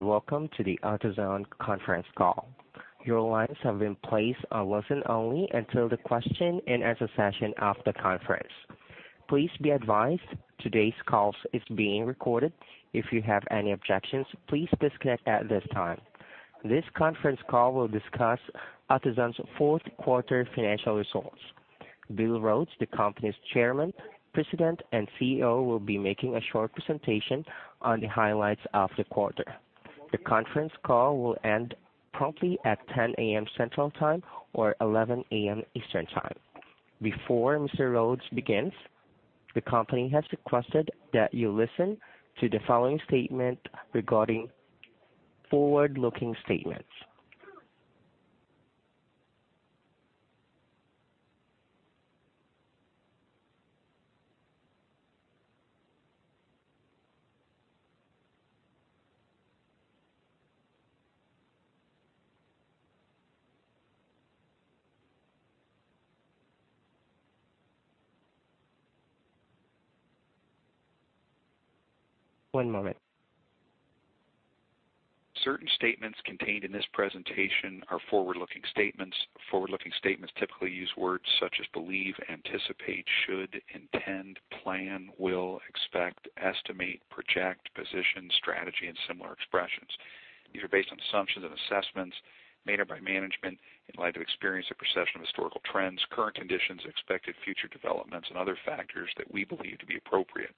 Welcome to the AutoZone conference call. Your lines have been placed on listen only until the question and answer session of the conference. Please be advised today's call is being recorded. If you have any objections, please disconnect at this time. This conference call will discuss AutoZone's fourth quarter financial results. Bill Rhodes, the company's Chairman, President, and CEO, will be making a short presentation on the highlights of the quarter. The conference call will end promptly at 10:00 A.M. Central Time, or 11:00 A.M. Eastern Time. Before Mr. Rhodes begins, the company has requested that you listen to the following statement regarding forward-looking statements. One moment. Certain statements contained in this presentation are forward-looking statements. Forward-looking statements typically use words such as believe, anticipate, should, intend, plan, will, expect, estimate, project, position, strategy, and similar expressions. These are based on assumptions and assessments made by management in light of experience and perception of historical trends, current conditions, expected future developments, and other factors that we believe to be appropriate.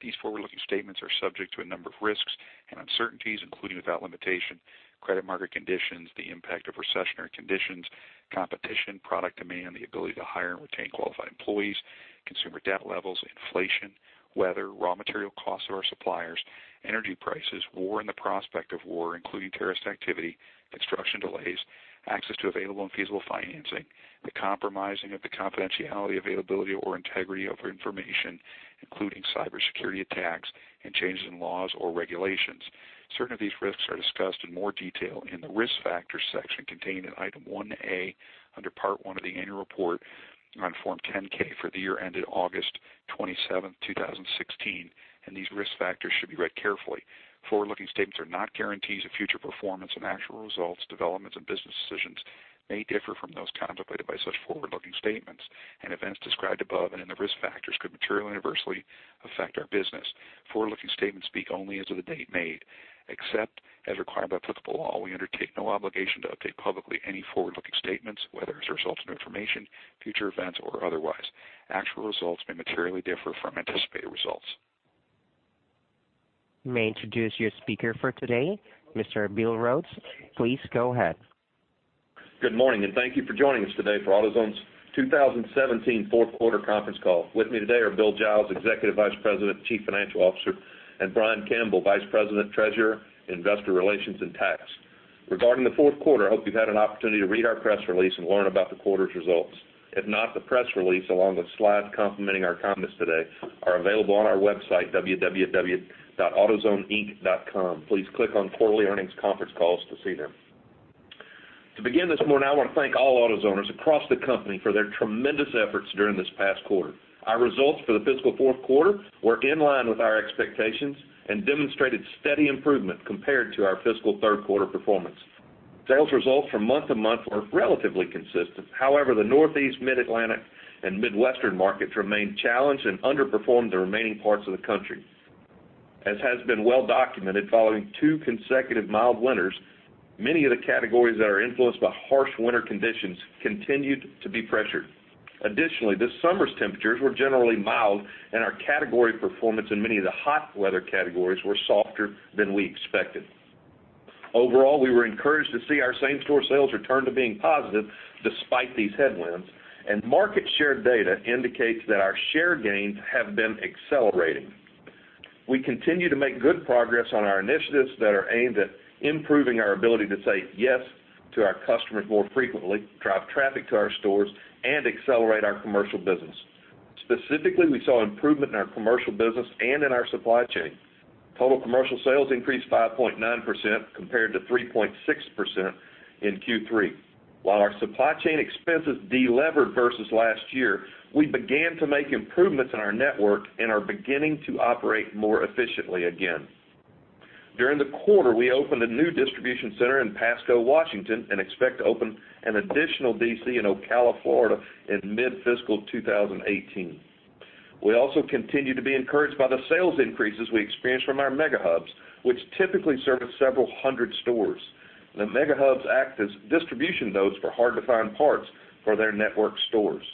These forward-looking statements are subject to a number of risks and uncertainties, including, without limitation, credit market conditions, the impact of recessionary conditions, competition, product demand, the ability to hire and retain qualified employees, consumer debt levels, inflation, weather, raw material costs to our suppliers, energy prices, war and the prospect of war, including terrorist activity, construction delays, access to available and feasible financing, the compromising of the confidentiality, availability, or integrity of information, including cybersecurity attacks, and changes in laws or regulations. Certain of these risks are discussed in more detail in the Risk Factors section contained in Item 1A under Part One of the annual report on Form 10-K for the year ended August 27th, 2016. These risk factors should be read carefully. Forward-looking statements are not guarantees of future performance, and actual results, developments, and business decisions may differ from those contemplated by such forward-looking statements. Events described above and in the risk factors could materially and adversely affect our business. Forward-looking statements speak only as of the date made. Except as required by applicable law, we undertake no obligation to update publicly any forward-looking statements, whether as a result of new information, future events, or otherwise. Actual results may materially differ from anticipated results. May I introduce your speaker for today, Mr. Bill Rhodes. Please go ahead. Good morning, thank you for joining us today for AutoZone's 2017 fourth quarter conference call. With me today are Bill Giles, Executive Vice President, Chief Financial Officer, and Brian Campbell, Vice President, Treasurer, Investor Relations, and Tax. Regarding the fourth quarter, I hope you've had an opportunity to read our press release and learn about the quarter's results. If not, the press release, along with slides complementing our comments today, are available on our website, www.autozoneinc.com. Please click on Quarterly Earnings Conference Calls to see them. To begin this morning, I want to thank all AutoZoners across the company for their tremendous efforts during this past quarter. Our results for the fiscal fourth quarter were in line with our expectations and demonstrated steady improvement compared to our fiscal third quarter performance. Sales results from month-to-month were relatively consistent. The Northeast, Mid-Atlantic, and Midwestern markets remained challenged and underperformed the remaining parts of the country. As has been well documented, following two consecutive mild winters, many of the categories that are influenced by harsh winter conditions continued to be pressured. This summer's temperatures were generally mild, and our category performance in many of the hot weather categories were softer than we expected. We were encouraged to see our same-store sales return to being positive despite these headwinds, and market share data indicates that our share gains have been accelerating. We continue to make good progress on our initiatives that are aimed at improving our ability to say yes to our customers more frequently, drive traffic to our stores, and accelerate our commercial business. We saw improvement in our commercial business and in our supply chain. Total commercial sales increased 5.9% compared to 3.6% in Q3. Our supply chain expenses delevered versus last year, we began to make improvements in our network and are beginning to operate more efficiently again. During the quarter, we opened a new distribution center in Pasco, Washington, and expect to open an additional DC in Ocala, Florida, in mid-fiscal 2018. We also continue to be encouraged by the sales increases we experienced from our Mega Hubs, which typically service several hundred stores. The Mega Hubs act as distribution nodes for hard-to-find parts for their network stores.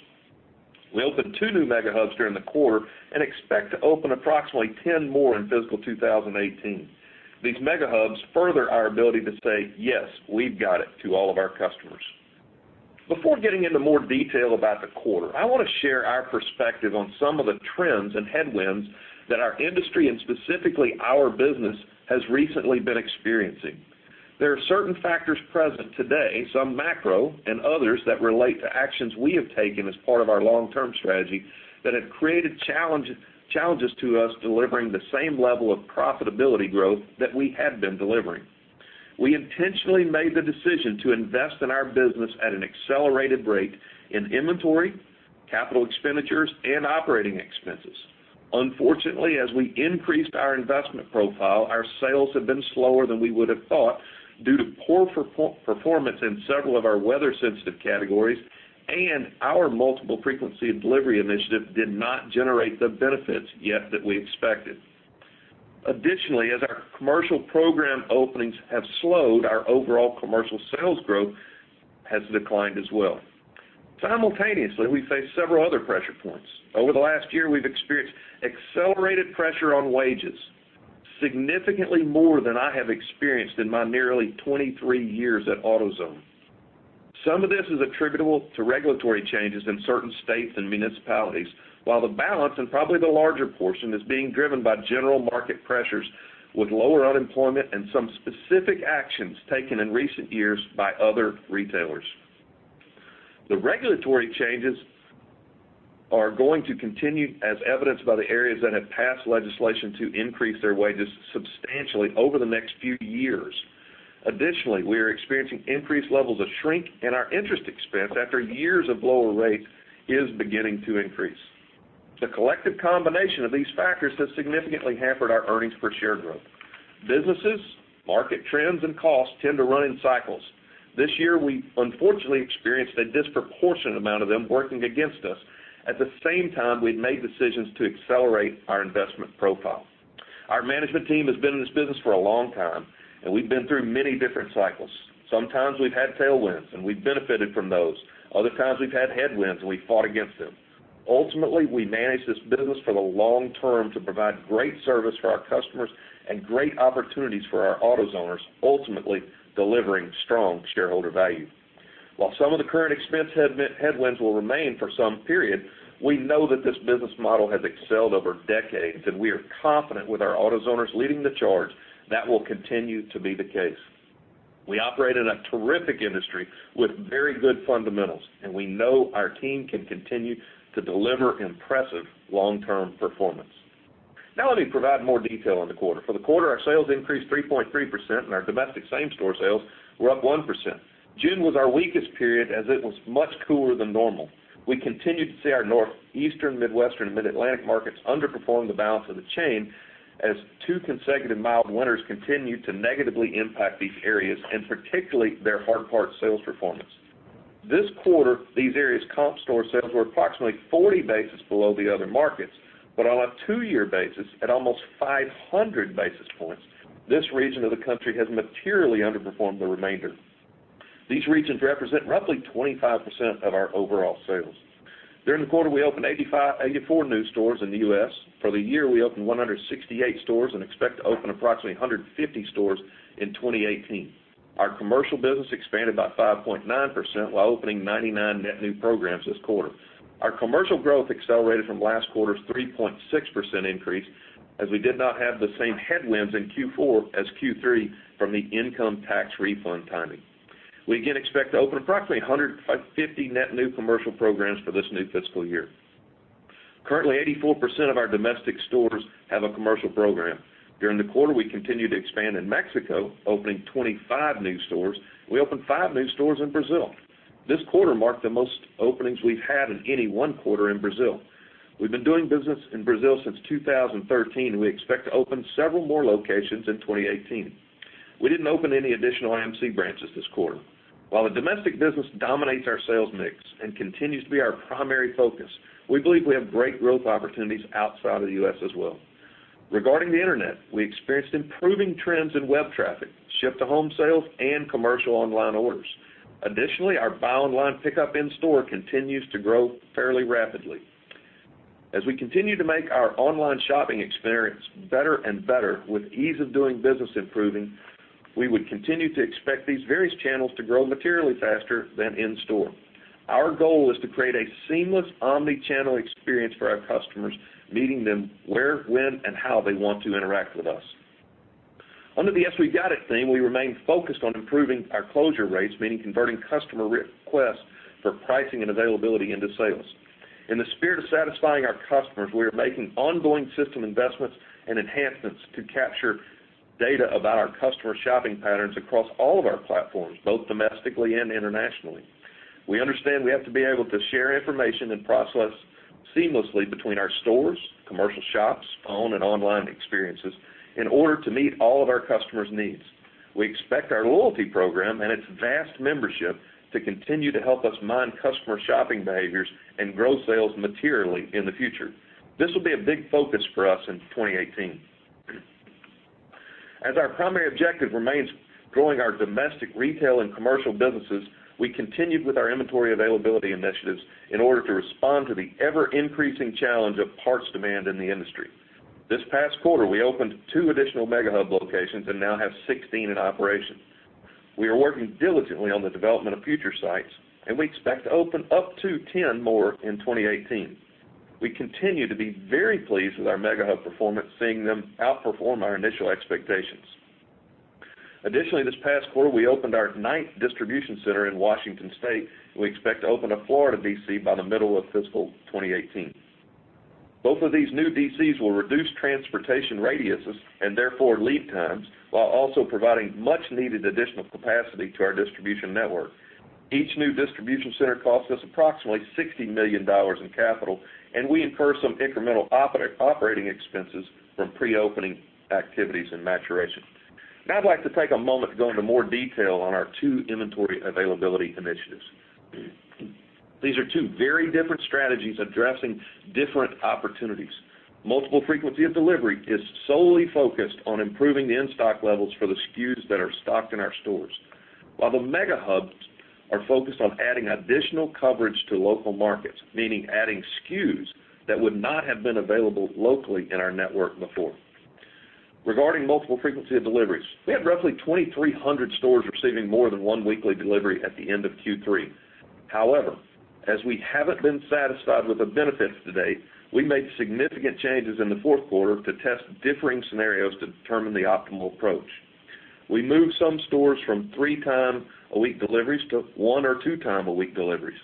We opened two new Mega Hubs during the quarter and expect to open approximately 10 more in fiscal 2018. These Mega Hubs further our ability to say, "Yes, We Got It" to all of our customers. Before getting into more detail about the quarter, I want to share our perspective on some of the trends and headwinds that our industry and specifically our business has recently been experiencing. There are certain factors present today, some macro and others that relate to actions we have taken as part of our long-term strategy, that have created challenges to us delivering the same level of profitability growth that we had been delivering. We intentionally made the decision to invest in our business at an accelerated rate in inventory, capital expenditures, and operating expenses. As we increased our investment profile, our sales have been slower than we would've thought due to poor performance in several of our weather-sensitive categories, and our multiple frequency of delivery initiative did not generate the benefits yet that we expected. Additionally, as our commercial program openings have slowed, our overall commercial sales growth has declined as well. Simultaneously, we face several other pressure points. Over the last year, we've experienced accelerated pressure on wages, significantly more than I have experienced in my nearly 23 years at AutoZone. Some of this is attributable to regulatory changes in certain states and municipalities, while the balance, and probably the larger portion, is being driven by general market pressures with lower unemployment and some specific actions taken in recent years by other retailers. The regulatory changes are going to continue, as evidenced by the areas that have passed legislation to increase their wages substantially over the next few years. Additionally, we are experiencing increased levels of shrink, and our interest expense, after years of lower rates, is beginning to increase. The collective combination of these factors has significantly hampered our earnings per share growth. Businesses, market trends, and costs tend to run in cycles. This year, we unfortunately experienced a disproportionate amount of them working against us. At the same time, we've made decisions to accelerate our investment profile. Our management team has been in this business for a long time, and we've been through many different cycles. Sometimes we've had tailwinds, and we've benefited from those. Other times, we've had headwinds, and we've fought against them. Ultimately, we manage this business for the long term to provide great service for our customers and great opportunities for our AutoZoners, ultimately delivering strong shareholder value. While some of the current expense headwinds will remain for some period, we know that this business model has excelled over decades, and we are confident with our AutoZoners leading the charge, that will continue to be the case. We operate in a terrific industry with very good fundamentals, and we know our team can continue to deliver impressive long-term performance. Now let me provide more detail on the quarter. For the quarter, our sales increased 3.3%, and our domestic same-store sales were up 1%. June was our weakest period, as it was much cooler than normal. We continued to see our Northeastern, Midwestern, and Mid-Atlantic markets underperform the balance of the chain as two consecutive mild winters continued to negatively impact these areas, and particularly their hard parts sales performance. This quarter, these areas' comp store sales were approximately 40 basis below the other markets, but on a two-year basis, at almost 500 basis points, this region of the country has materially underperformed the remainder. These regions represent roughly 25% of our overall sales. During the quarter, we opened 84 new stores in the U.S. For the year, we opened 168 stores and expect to open approximately 150 stores in 2018. Our commercial business expanded by 5.9%, while opening 99 net new programs this quarter. Our commercial growth accelerated from last quarter's 3.6% increase, as we did not have the same headwinds in Q4 as Q3 from the income tax refund timing. We again expect to open approximately 150 net new commercial programs for this new fiscal year. Currently, 84% of our domestic stores have a commercial program. During the quarter, we continued to expand in Mexico, opening 25 new stores. We opened five new stores in Brazil. This quarter marked the most openings we've had in any one quarter in Brazil. We've been doing business in Brazil since 2013, and we expect to open several more locations in 2018. We didn't open any additional IMC branches this quarter. While the domestic business dominates our sales mix and continues to be our primary focus, we believe we have great growth opportunities outside of the U.S. as well. Regarding the internet, we experienced improving trends in web traffic, ship-to-home sales, and commercial online orders. Additionally, our Buy Online, Pickup in Store continues to grow fairly rapidly. We continue to make our online shopping experience better and better with ease of doing business improving, we would continue to expect these various channels to grow materially faster than in store. Our goal is to create a seamless omnichannel experience for our customers, meeting them where, when, and how they want to interact with us. Under the Yes, We Got It theme, we remain focused on improving our closure rates, meaning converting customer requests for pricing and availability into sales. In the spirit of satisfying our customers, we are making ongoing system investments and enhancements to capture data about our customers' shopping patterns across all of our platforms, both domestically and internationally. We understand we have to be able to share information and process seamlessly between our stores, commercial shops, phone, and online experiences in order to meet all of our customers' needs. We expect our loyalty program and its vast membership to continue to help us mine customer shopping behaviors and grow sales materially in the future. This will be a big focus for us in 2018. Our primary objective remains growing our domestic retail and commercial businesses, we continued with our inventory availability initiatives in order to respond to the ever-increasing challenge of parts demand in the industry. This past quarter, we opened 2 additional Mega Hub locations and now have 16 in operation. We are working diligently on the development of future sites, we expect to open up to 10 more in 2018. We continue to be very pleased with our Mega Hub performance, seeing them outperform our initial expectations. Additionally, this past quarter, we opened our 9th distribution center in Washington State. We expect to open a Florida DC by the middle of fiscal 2018. Both of these new DCs will reduce transportation radiuses, and therefore lead times, while also providing much needed additional capacity to our distribution network. Each new distribution center costs us approximately $60 million in capital, we incur some incremental operating expenses from pre-opening activities and maturation. I'd like to take a moment to go into more detail on our 2 inventory availability initiatives. These are 2 very different strategies addressing different opportunities. Multiple frequency of delivery is solely focused on improving the in-stock levels for the SKUs that are stocked in our stores. While the Mega Hubs are focused on adding additional coverage to local markets, meaning adding SKUs that would not have been available locally in our network before. Regarding multiple frequency of deliveries, we had roughly 2,300 stores receiving more than 1 weekly delivery at the end of Q3. However, as we haven't been satisfied with the benefits to date, we made significant changes in the fourth quarter to test differing scenarios to determine the optimal approach. We moved some stores from 3 time a week deliveries to 1 or 2 time a week deliveries.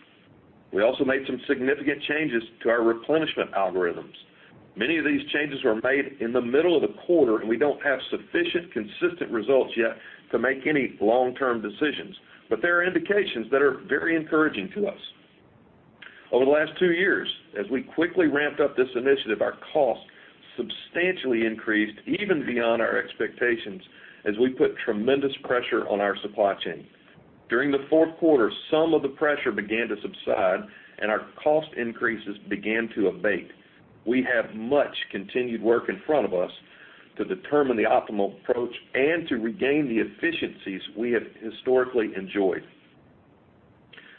We also made some significant changes to our replenishment algorithms. Many of these changes were made in the middle of the quarter, we don't have sufficient, consistent results yet to make any long-term decisions. There are indications that are very encouraging to us. Over the last two years, as we quickly ramped up this initiative, our costs substantially increased even beyond our expectations, as we put tremendous pressure on our supply chain. During the fourth quarter, some of the pressure began to subside, and our cost increases began to abate. We have much continued work in front of us to determine the optimal approach and to regain the efficiencies we have historically enjoyed.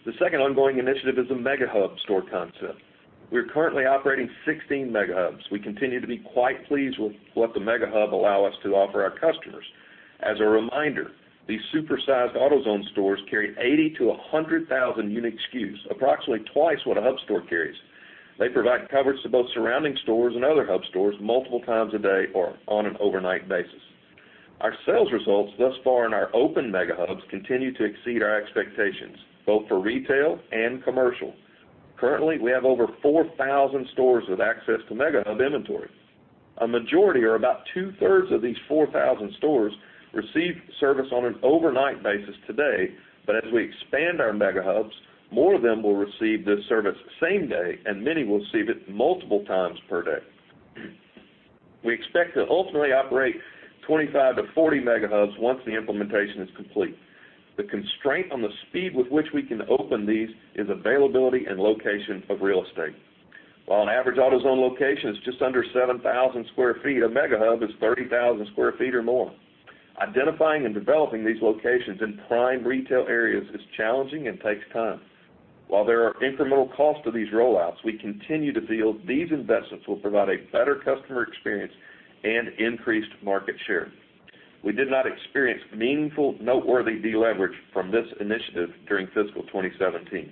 The second ongoing initiative is the Mega Hub store concept. We are currently operating 16 Mega Hubs. We continue to be quite pleased with what the Mega Hubs allow us to offer our customers. As a reminder, these super-sized AutoZone stores carry 80,000 to 100,000 unique SKUs, approximately twice what a Hub store carries. They provide coverage to both surrounding stores and other Hub stores multiple times a day or on an overnight basis. Our sales results thus far in our open Mega Hubs continue to exceed our expectations, both for retail and commercial. Currently, we have over 4,000 stores with access to Mega Hub inventory. A majority or about two-thirds of these 4,000 stores receive service on an overnight basis today, but as we expand our Mega Hubs, more of them will receive this service same day, and many will receive it multiple times per day. We expect to ultimately operate 25 to 40 Mega Hubs once the implementation is complete. The constraint on the speed with which we can open these is availability and location of real estate. While an average AutoZone location is just under 7,000 sq ft, a Mega Hub is 30,000 sq ft or more. Identifying and developing these locations in prime retail areas is challenging and takes time. While there are incremental costs to these rollouts, we continue to feel these investments will provide a better customer experience and increased market share. We did not experience meaningful, noteworthy deleverage from this initiative during fiscal 2017.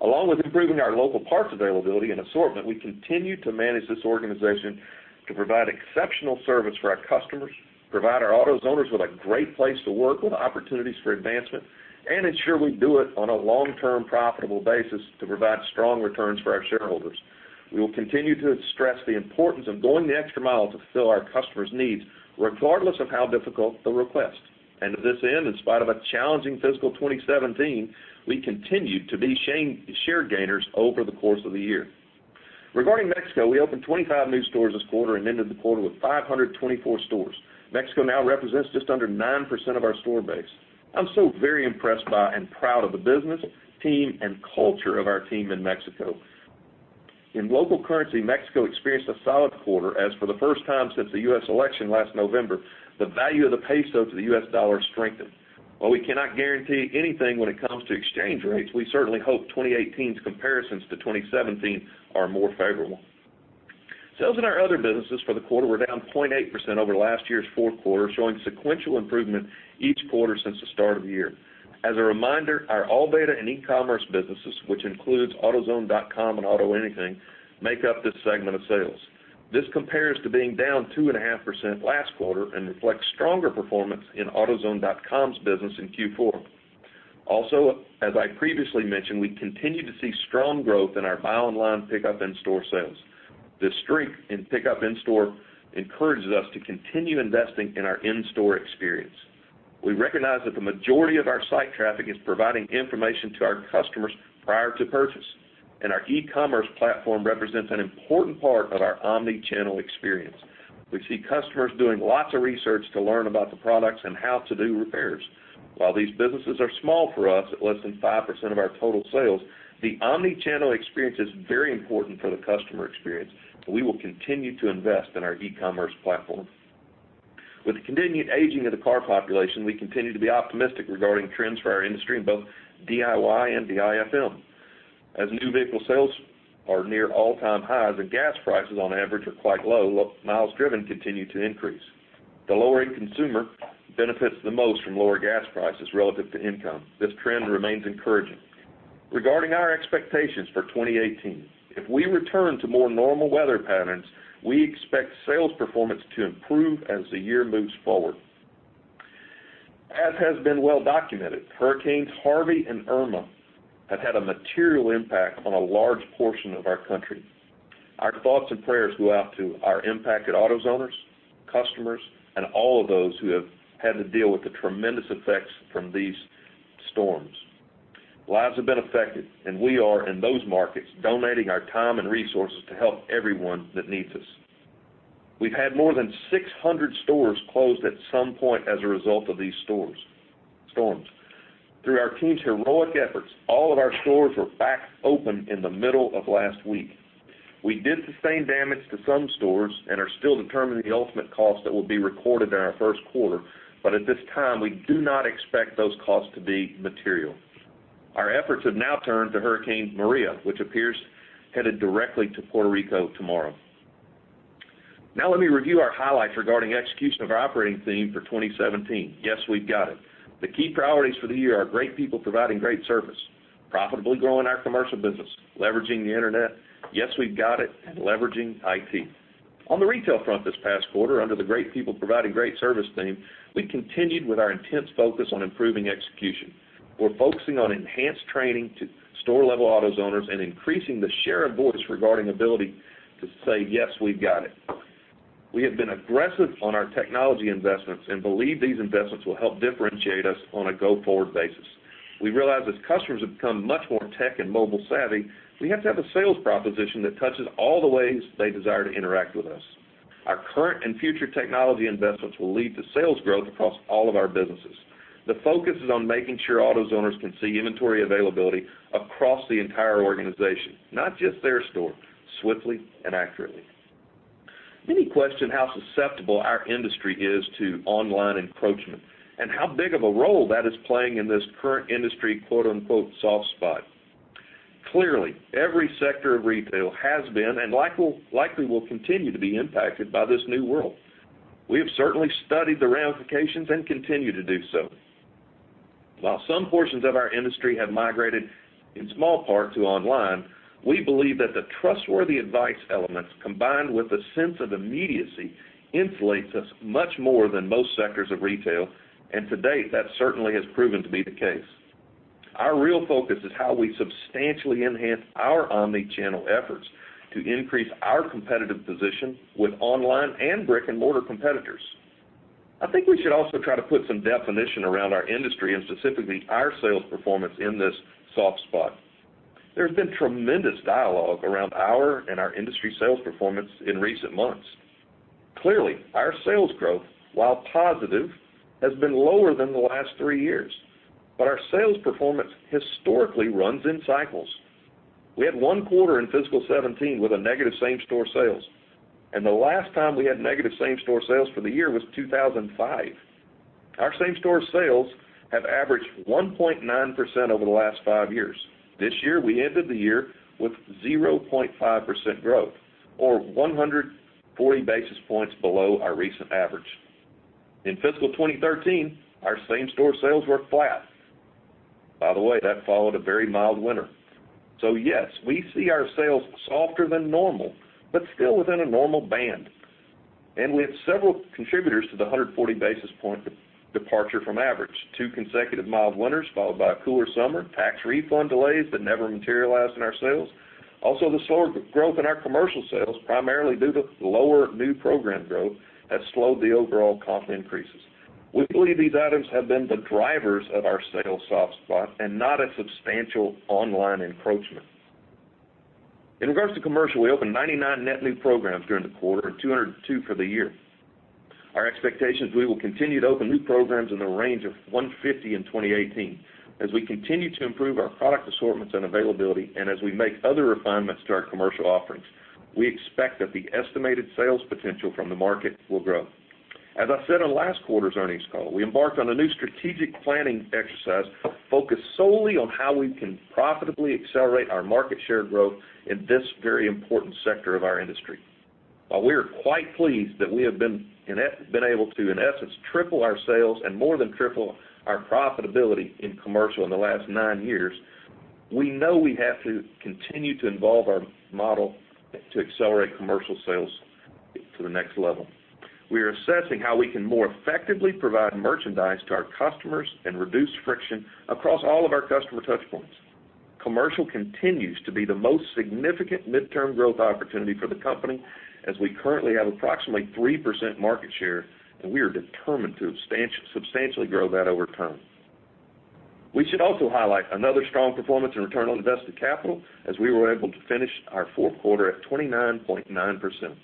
Along with improving our local parts availability and assortment, we continue to manage this organization to provide exceptional service for our customers, provide our AutoZoners with a great place to work with opportunities for advancement, and ensure we do it on a long-term profitable basis to provide strong returns for our shareholders. To this end, in spite of a challenging fiscal 2017, we continued to be share gainers over the course of the year. Regarding Mexico, we opened 25 new stores this quarter and ended the quarter with 524 stores. Mexico now represents just under 9% of our store base. I'm so very impressed by and proud of the business, team, and culture of our team in Mexico. In local currency, Mexico experienced a solid quarter, as for the first time since the U.S. election last November, the value of the peso to the U.S. dollar strengthened. While we cannot guarantee anything when it comes to exchange rates, we certainly hope 2018's comparisons to 2017 are more favorable. Sales in our other businesses for the quarter were down 0.8% over last year's fourth quarter, showing sequential improvement each quarter since the start of the year. As a reminder, our ALLDATA and e-commerce businesses, which includes autozone.com and AutoAnything, make up this segment of sales. This compares to being down 2.5% last quarter and reflects stronger performance in autozone.com's business in Q4. Also, as I previously mentioned, we continue to see strong growth in our Buy Online, Pickup in Store sales. This strength in Pickup in Store encourages us to continue investing in our in-store experience. We recognize that the majority of our site traffic is providing information to our customers prior to purchase, and our e-commerce platform represents an important part of our omnichannel experience. We see customers doing lots of research to learn about the products and how to do repairs. While these businesses are small for us at less than 5% of our total sales, the omnichannel experience is very important for the customer experience. We will continue to invest in our e-commerce platform. With the continued aging of the car population, we continue to be optimistic regarding trends for our industry in both DIY and DIFM. As new vehicle sales are near all-time highs and gas prices on average are quite low, miles driven continue to increase. The lower income consumer benefits the most from lower gas prices relative to income. This trend remains encouraging. Regarding our expectations for 2018, if we return to more normal weather patterns, we expect sales performance to improve as the year moves forward. As has been well documented, Hurricane Harvey and Hurricane Irma have had a material impact on a large portion of our country. Our thoughts and prayers go out to our impacted AutoZoners, customers, and all of those who have had to deal with the tremendous effects from these storms. Lives have been affected, we are, in those markets, donating our time and resources to help everyone that needs us. We've had more than 600 stores closed at some point as a result of these storms. Through our team's heroic efforts, all of our stores were back open in the middle of last week. We did sustain damage to some stores and are still determining the ultimate cost that will be recorded in our first quarter. At this time, we do not expect those costs to be material. Our efforts have now turned to Hurricane Maria, which appears headed directly to Puerto Rico tomorrow. Now let me review our highlights regarding execution of our operating theme for 2017, Yes, We Got It. The key priorities for the year are great people providing great service, profitably growing our commercial business, leveraging the internet, Yes, We Got It, and leveraging IT. On the retail front this past quarter, under the great people providing great service theme, we continued with our intense focus on improving execution. We're focusing on enhanced training to store-level AutoZoners and increasing the share of voice regarding ability to say, "Yes, We Got It." We have been aggressive on our technology investments and believe these investments will help differentiate us on a go-forward basis. We realize as customers have become much more tech and mobile-savvy, we have to have a sales proposition that touches all the ways they desire to interact with us. Our current and future technology investments will lead to sales growth across all of our businesses. The focus is on making sure AutoZoners can see inventory availability across the entire organization, not just their store, swiftly and accurately. Many question how susceptible our industry is to online encroachment and how big of a role that is playing in this current industry "soft spot." Clearly, every sector of retail has been and likely will continue to be impacted by this new world. We have certainly studied the ramifications and continue to do so. While some portions of our industry have migrated in small part to online, we believe that the trustworthy advice elements, combined with a sense of immediacy, insulates us much more than most sectors of retail, and to date, that certainly has proven to be the case. Our real focus is how we substantially enhance our omnichannel efforts to increase our competitive position with online and brick-and-mortar competitors. I think we should also try to put some definition around our industry and specifically our sales performance in this soft spot. There has been tremendous dialogue around our and our industry sales performance in recent months. Clearly, our sales growth, while positive, has been lower than the last three years, but our sales performance historically runs in cycles. We had one quarter in fiscal 2017 with a negative same-store sales, and the last time we had negative same-store sales for the year was 2005. Our same-store sales have averaged 1.9% over the last five years. This year, we ended the year with 0.5% growth, or 140 basis points below our recent average. In fiscal 2013, our same-store sales were flat. By the way, that followed a very mild winter. Yes, we see our sales softer than normal, but still within a normal band. We have several contributors to the 140 basis point departure from average: two consecutive mild winters followed by a cooler summer, tax refund delays that never materialized in our sales. Also, the slower growth in our commercial sales, primarily due to lower new program growth, has slowed the overall comp increases. We believe these items have been the drivers of our sales soft spot and not a substantial online encroachment. In regards to commercial, we opened 99 net new programs during the quarter and 202 for the year. Our expectation is we will continue to open new programs in the range of 150 in 2018. As we continue to improve our product assortments and availability, and as we make other refinements to our commercial offerings, we expect that the estimated sales potential from the market will grow. As I said on last quarter's earnings call, we embarked on a new strategic planning exercise focused solely on how we can profitably accelerate our market share growth in this very important sector of our industry. While we are quite pleased that we have been able to, in essence, triple our sales and more than triple our profitability in commercial in the last nine years, we know we have to continue to evolve our model to accelerate commercial sales to the next level. We are assessing how we can more effectively provide merchandise to our customers and reduce friction across all of our customer touchpoints. Commercial continues to be the most significant midterm growth opportunity for the company, as we currently have approximately 3% market share, and we are determined to substantially grow that over time. We should also highlight another strong performance in return on invested capital, as we were able to finish our fourth quarter at 29.9%.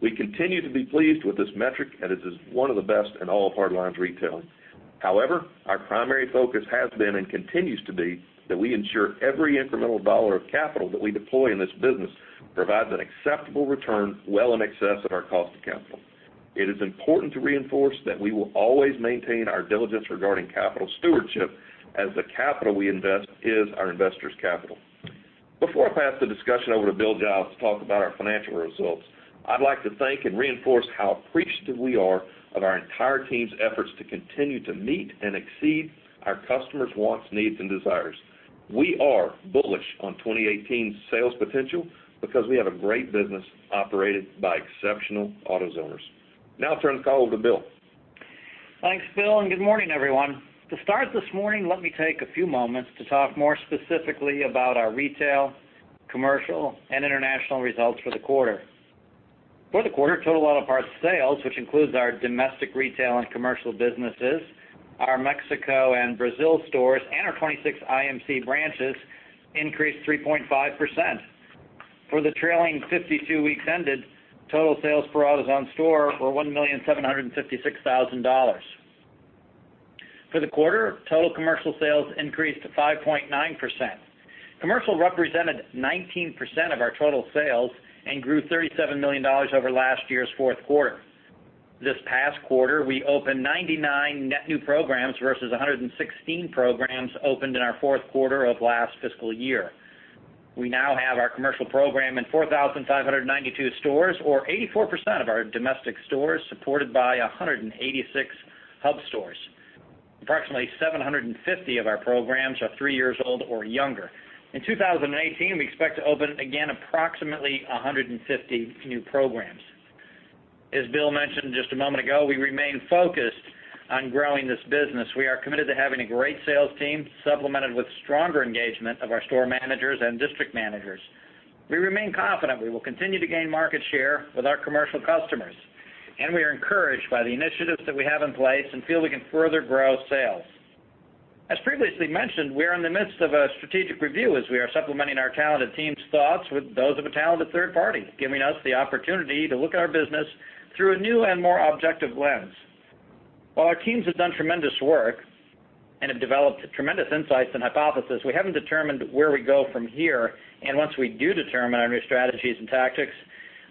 We continue to be pleased with this metric as it is one of the best in all of hardline retailing. However, our primary focus has been and continues to be that we ensure every incremental dollar of capital that we deploy in this business provides an acceptable return well in excess of our cost of capital. It is important to reinforce that we will always maintain our diligence regarding capital stewardship, as the capital we invest is our investors' capital. Before I pass the discussion over to Bill Giles to talk about our financial results, I'd like to thank and reinforce how appreciative we are of our entire team's efforts to continue to meet and exceed our customers' wants, needs, and desires. We are bullish on 2018 sales potential because we have a great business operated by exceptional AutoZoners. Now I'll turn the call over to Bill. Thanks, Bill, and good morning, everyone. To start this morning, let me take a few moments to talk more specifically about our retail, commercial, and international results for the quarter. For the quarter, total auto parts sales, which includes our domestic retail and commercial businesses, our Mexico and Brazil stores, and our 26 IMC branches, increased 3.5%. For the trailing 52 weeks ended, total sales per AutoZone store were $1,756,000. For the quarter, total commercial sales increased to 5.9%. Commercial represented 19% of our total sales and grew $37 million over last year's fourth quarter. This past quarter, we opened 99 net new programs versus 116 programs opened in our fourth quarter of last fiscal year. We now have our commercial program in 4,592 stores or 84% of our domestic stores supported by 186 hub stores. Approximately 750 of our programs are three years old or younger. In 2018, we expect to open again approximately 150 new programs. As Bill mentioned just a moment ago, we remain focused on growing this business. We are committed to having a great sales team supplemented with stronger engagement of our store managers and district managers. We remain confident we will continue to gain market share with our commercial customers, and we are encouraged by the initiatives that we have in place and feel we can further grow sales. As previously mentioned, we are in the midst of a strategic review as we are supplementing our talented team's thoughts with those of a talented third party, giving us the opportunity to look at our business through a new and more objective lens. While our teams have done tremendous work and have developed tremendous insights and hypothesis, once we do determine our new strategies and tactics,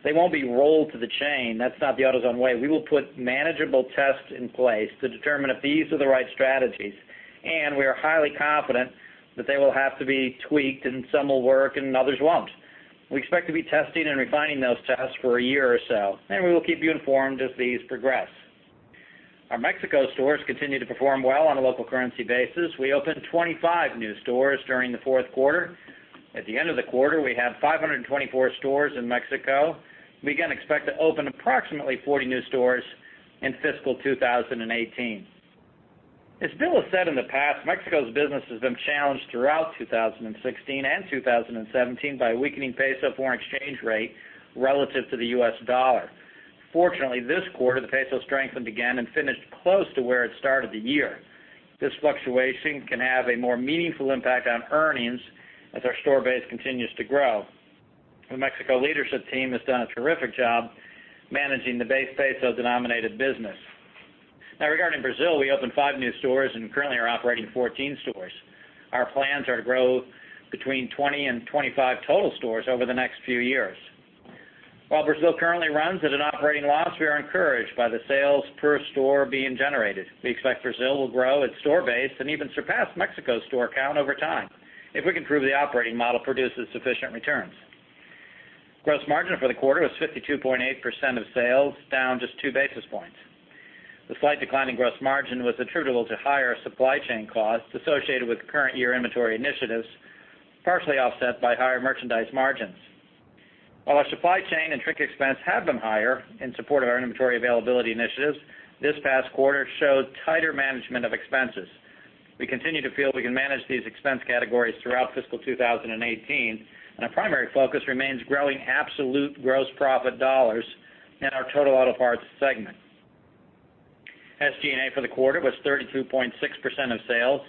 they won't be rolled to the chain. That's not the AutoZone way. We will put manageable tests in place to determine if these are the right strategies, we are highly confident that they will have to be tweaked and some will work and others won't. We expect to be testing and refining those tests for a year or so, we will keep you informed as these progress. Our Mexico stores continue to perform well on a local currency basis. We opened 25 new stores during the fourth quarter. At the end of the quarter, we have 524 stores in Mexico. We again expect to open approximately 40 new stores in fiscal 2018. As Bill has said in the past, Mexico's business has been challenged throughout 2016 and 2017 by a weakening peso foreign exchange rate relative to the US dollar. Fortunately, this quarter, the peso strengthened again and finished close to where it started the year. This fluctuation can have a more meaningful impact on earnings as our store base continues to grow. The Mexico leadership team has done a terrific job managing the peso-denominated business. Now regarding Brazil, we opened five new stores and currently are operating 14 stores. Our plans are to grow between 20 and 25 total stores over the next few years. While Brazil currently runs at an operating loss, we are encouraged by the sales per store being generated. We expect Brazil will grow its store base and even surpass Mexico's store count over time if we can prove the operating model produces sufficient returns. Gross margin for the quarter was 52.8% of sales, down just two basis points. The slight decline in gross margin was attributable to higher supply chain costs associated with current year inventory initiatives, partially offset by higher merchandise margins. While our supply chain and truck expense have been higher in support of our inventory availability initiatives, this past quarter showed tighter management of expenses. We continue to feel we can manage these expense categories throughout fiscal 2018, our primary focus remains growing absolute gross profit dollars in our total auto parts segment. SG&A for the quarter was 32.6% of sales,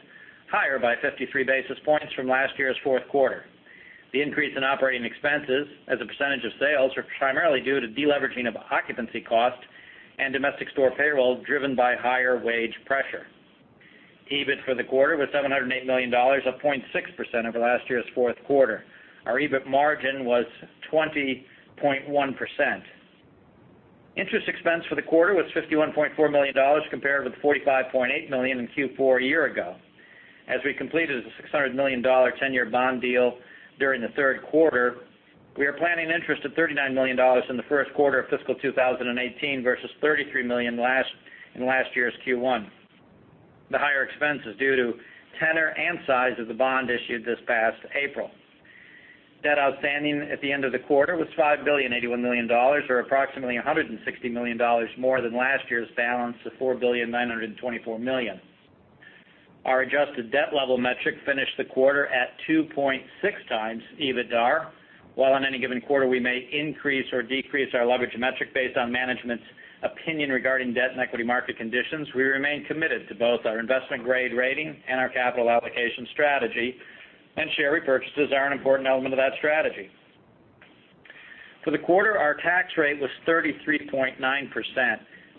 higher by 53 basis points from last year's fourth quarter. The increase in operating expenses as a percentage of sales are primarily due to deleveraging of occupancy cost and domestic store payroll driven by higher wage pressure. EBIT for the quarter was $708 million, up 0.6% over last year's fourth quarter. Our EBIT margin was 20.1%. Interest expense for the quarter was $51.4 million compared with $45.8 million in Q4 a year ago. As we completed a $600 million tenor bond deal during the third quarter, we are planning interest of $39 million in the first quarter of fiscal 2018 versus $33 million in last year's Q1. The higher expense is due to tenor and size of the bond issued this past April. Debt outstanding at the end of the quarter was $5,081,000,000 or approximately $160 million more than last year's balance of $4,924,000,000. Our adjusted debt level metric finished the quarter at 2.6 times EBITDAR. While on any given quarter, we may increase or decrease our leverage metric based on management's opinion regarding debt and equity market conditions, we remain committed to both our investment-grade rating and our capital allocation strategy. Share repurchases are an important element of that strategy. For the quarter, our tax rate was 33.9%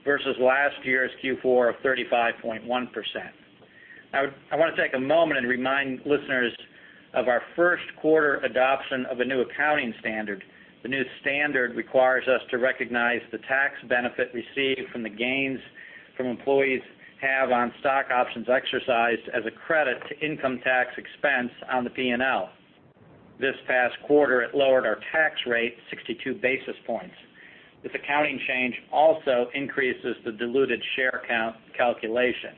versus last year's Q4 of 35.1%. I want to take a moment and remind listeners of our first quarter adoption of a new accounting standard. The new standard requires us to recognize the tax benefit received from the gains from employees have on stock options exercised as a credit to income tax expense on the P&L. This past quarter, it lowered our tax rate 62 basis points. This accounting change also increases the diluted share count calculation.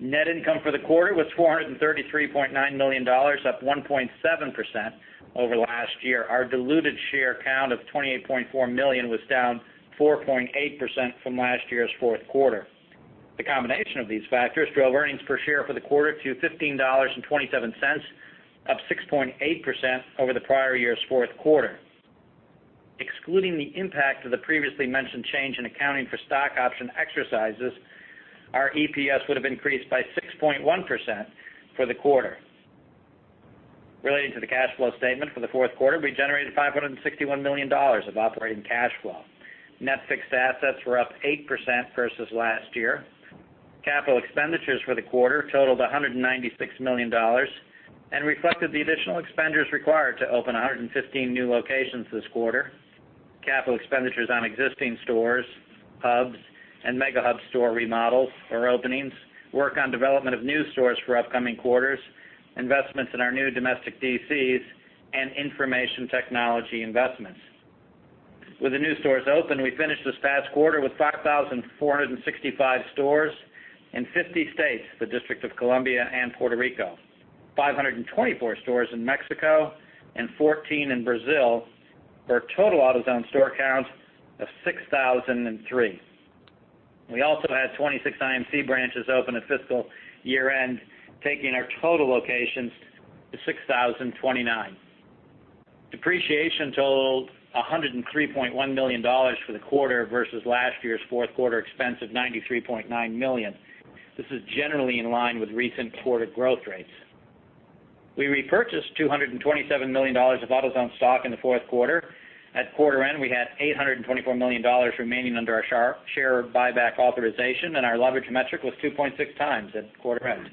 Net income for the quarter was $433.9 million, up 1.7% over last year. Our diluted share count of 28.4 million was down 4.8% from last year's fourth quarter. The combination of these factors drove earnings per share for the quarter to $15.27, up 6.8% over the prior year's fourth quarter. Excluding the impact of the previously mentioned change in accounting for stock option exercises, our EPS would have increased by 6.1% for the quarter. Relating to the cash flow statement for the fourth quarter, we generated $561 million of operating cash flow. Net fixed assets were up 8% versus last year. Capital expenditures for the quarter totaled $196 million and reflected the additional expenditures required to open 115 new locations this quarter. Capital expenditures on existing stores, hubs, and Mega Hub store remodels or openings, work on development of new stores for upcoming quarters, investments in our new domestic DCs, and information technology investments. With the new stores open, we finished this past quarter with 5,465 stores in 50 states, the District of Columbia and Puerto Rico, 524 stores in Mexico and 14 in Brazil, for a total AutoZone store count of 6,003. We also had 26 IMC branches open at fiscal year-end, taking our total locations to 6,029. Depreciation totaled $103.1 million for the quarter versus last year's fourth quarter expense of $93.9 million. This is generally in line with recent quarter growth rates. We repurchased $227 million of AutoZone stock in the fourth quarter. At quarter end, we had $824 million remaining under our share buyback authorization. Our leverage metric was 2.6 times at quarter end.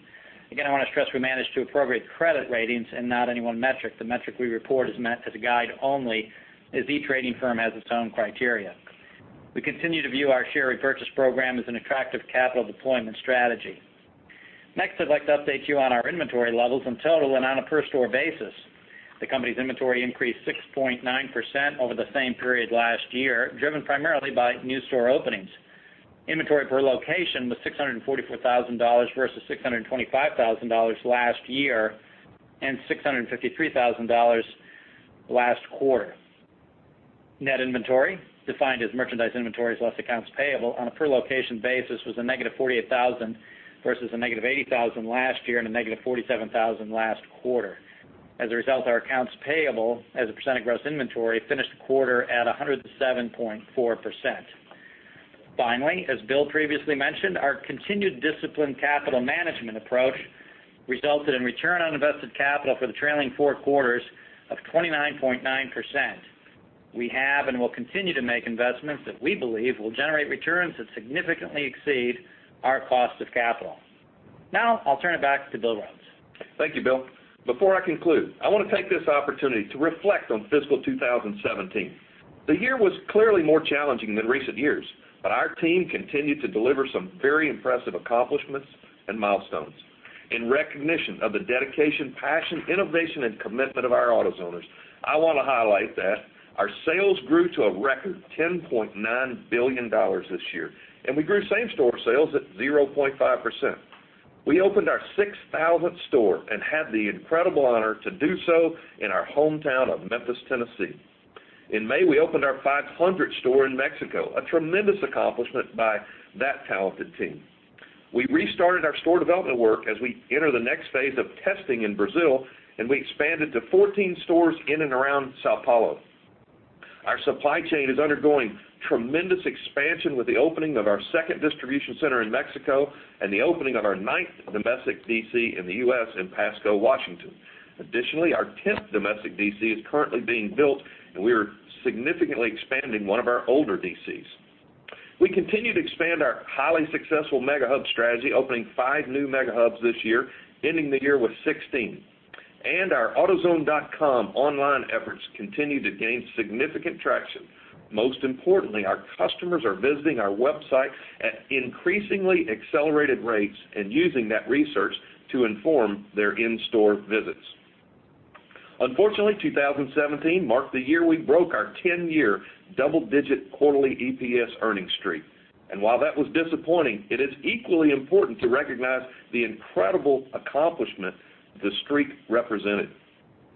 Again, I want to stress we manage to appropriate credit ratings and not any one metric. The metric we report is meant as a guide only, as each rating firm has its own criteria. We continue to view our share repurchase program as an attractive capital deployment strategy. Next, I'd like to update you on our inventory levels in total and on a per store basis. The company's inventory increased 6.9% over the same period last year, driven primarily by new store openings. Inventory per location was $644,000 versus $625,000 last year and $653,000 last quarter. Net inventory, defined as merchandise inventories less accounts payable on a per location basis, was a negative $48,000 versus a negative $80,000 last year and a negative $47,000 last quarter. As a result, our accounts payable as a percent of gross inventory finished the quarter at 107.4%. Finally, as Bill previously mentioned, our continued disciplined capital management approach resulted in return on invested capital for the trailing four quarters of 29.9%. We have and will continue to make investments that we believe will generate returns that significantly exceed our cost of capital. I'll turn it back to Bill Rhodes. Thank you, Bill. Before I conclude, I want to take this opportunity to reflect on fiscal 2017. The year was clearly more challenging than recent years, our team continued to deliver some very impressive accomplishments and milestones. In recognition of the dedication, passion, innovation, and commitment of our AutoZoners, I want to highlight that our sales grew to a record $10.9 billion this year, and we grew same store sales at 0.5%. We opened our 6,000th store and had the incredible honor to do so in our hometown of Memphis, Tennessee. In May, we opened our 500th store in Mexico, a tremendous accomplishment by that talented team. We restarted our store development work as we enter the next phase of testing in Brazil, we expanded to 14 stores in and around São Paulo. Our supply chain is undergoing tremendous expansion with the opening of our second distribution center in Mexico, the opening of our ninth domestic DC in the U.S. in Pasco, Washington. Additionally, our 10th domestic DC is currently being built, we are significantly expanding one of our older DCs. We continue to expand our highly successful Mega Hub strategy, opening five new Mega Hubs this year, ending the year with 16. Our autozone.com online efforts continue to gain significant traction. Most importantly, our customers are visiting our website at increasingly accelerated rates and using that research to inform their in-store visits. Unfortunately, 2017 marked the year we broke our 10-year double-digit quarterly EPS earnings streak. While that was disappointing, it is equally important to recognize the incredible accomplishment the streak represented.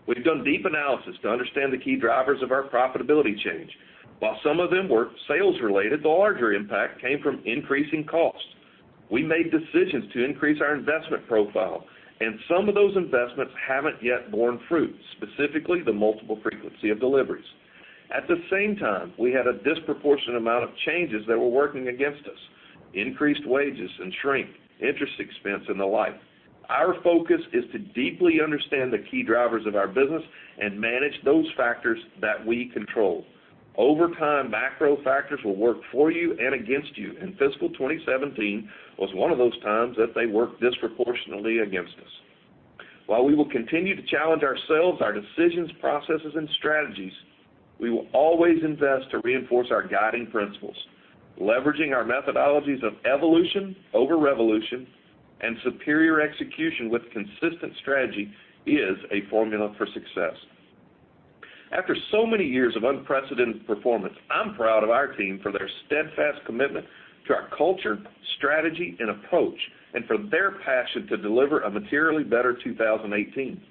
We've done deep analysis to understand the key drivers of our profitability change. While some of them were sales related, the larger impact came from increasing costs. We made decisions to increase our investment profile, some of those investments haven't yet borne fruit, specifically the multiple frequency of deliveries. At the same time, we had a disproportionate amount of changes that were working against us. Increased wages and shrink, interest expense, and the like. Our focus is to deeply understand the key drivers of our business and manage those factors that we control. Over time, macro factors will work for you and against you, fiscal 2017 was one of those times that they worked disproportionately against us. While we will continue to challenge ourselves, our decisions, processes, and strategies, we will always invest to reinforce our guiding principles, leveraging our methodologies of evolution over revolution Superior execution with consistent strategy is a formula for success. After so many years of unprecedented performance, I'm proud of our team for their steadfast commitment to our culture, strategy, and approach, and for their passion to deliver a materially better 2018.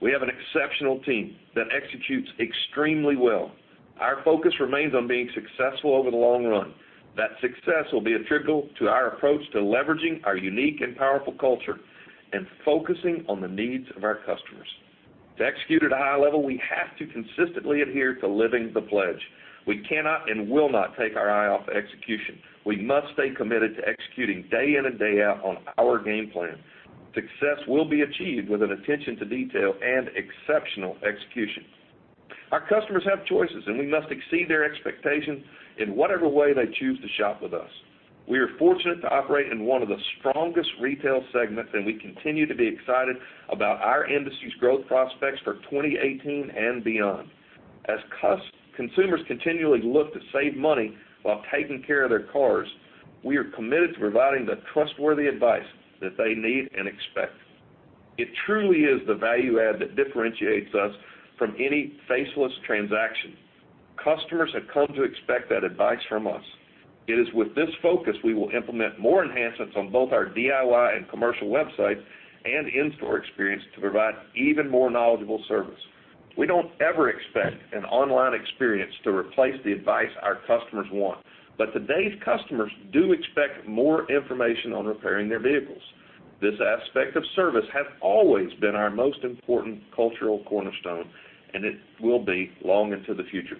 We have an exceptional team that executes extremely well. Our focus remains on being successful over the long run. That success will be attributable to our approach to leveraging our unique and powerful culture and focusing on the needs of our customers. To execute at a high level, we have to consistently adhere to Living the Pledge. We cannot and will not take our eye off execution. We must stay committed to executing day in and day out on our game plan. Success will be achieved with an attention to detail and exceptional execution. Our customers have choices, and we must exceed their expectations in whatever way they choose to shop with us. We are fortunate to operate in one of the strongest retail segments, and we continue to be excited about our industry's growth prospects for 2018 and beyond. As consumers continually look to save money while taking care of their cars, we are committed to providing the trustworthy advice that they need and expect. It truly is the value add that differentiates us from any faceless transaction. Customers have come to expect that advice from us. It is with this focus, we will implement more enhancements on both our DIY and commercial website and in-store experience to provide even more knowledgeable service. We don't ever expect an online experience to replace the advice our customers want, but today's customers do expect more information on repairing their vehicles. This aspect of service has always been our most important cultural cornerstone, and it will be long into the future.